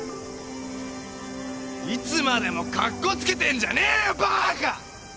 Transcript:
いつまでもカッコつけてんじゃねえよバカ！！